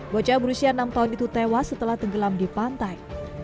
bocah berusia enam tahun itu tewas setelah tenggelam di pantai